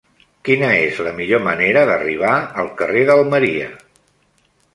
Quina és la millor manera d'arribar al carrer d'Almeria?